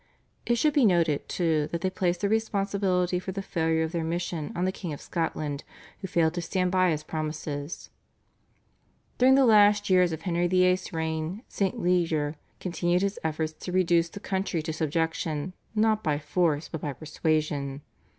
It should be noted, too, that they placed the responsibility for the failure of their mission on the King of Scotland who failed to stand by his promises. During the last years of Henry VIII.'s reign St. Leger continued his efforts to reduce the country to subjection not by force but by persuasion.